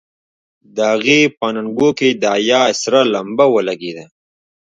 د هغې په اننګو کې د حيا سره لمبه ولګېده.